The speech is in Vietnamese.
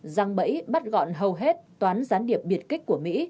răng bẫy bắt gọn hầu hết toán gián điệp biệt kích của mỹ